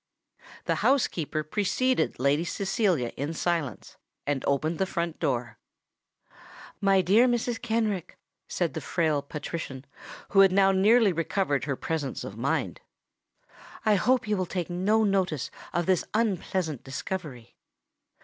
The housekeeper preceded Lady Cecilia in silence, and opened the front door. "My dear Mrs. Kenrick," said the frail patrician, who had now nearly recovered her presence of mind, "I hope you will take no notice of this unpleasant discovery."